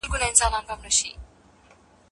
غازي د خپلي خور پوړني ته بازار لټوي